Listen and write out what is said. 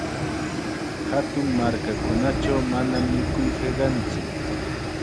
Hatun markakunachaw manam mikuy hiqantsu.